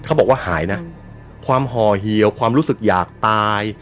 เขาบอกว่าหายนะความห่อเหี่ยวความรู้สึกอยากตาย